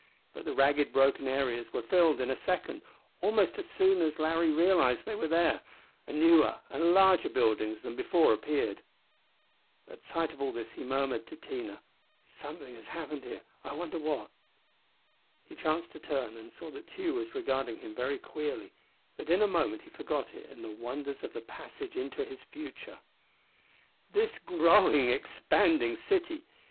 But the ragged, broken areas were filled in a second almost as soon as Larry realized they were there and new and larger buildings than before appeared. At sight of all this he murmured to Tina, "Something has happened here. I wonder what?" He chanced to turn, and saw that Tugh was regarding him very queerly; but in a moment he forgot it in the wonders of the passage into his future. This growing, expanding city!